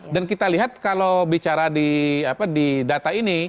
dan kita lihat kalau bicara di data ini